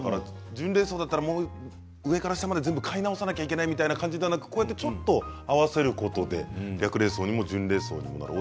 準礼装だったら上から下まで買い直さなければいけないという感じではなくちょっと合わせることで略礼装にも準礼装にもなる。